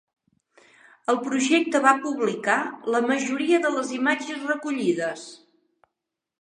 El projecte va publicar la majoria de les imatges recollides.